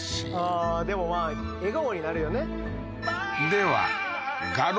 ああーでもまあ笑顔になるよねでは